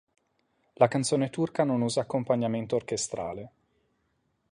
La canzone turca non usa accompagnamento orchestrale.